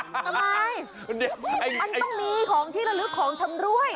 ต้องมีของที่ละลึกของชำลวย